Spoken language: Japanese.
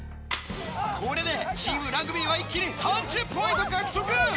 これでチームラグビーは一気に３０ポイント獲得。